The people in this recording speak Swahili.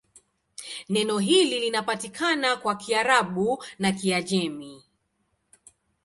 Neno hili linapatikana kwa Kiarabu na Kiajemi.